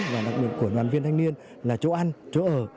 và đặc biệt của đoàn viên thanh niên là chỗ ăn chỗ ở